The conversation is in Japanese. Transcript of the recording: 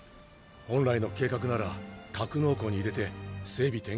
本来の計画なら格納庫に入れて整備